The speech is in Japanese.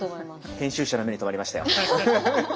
編集者の目に留まりましたよ。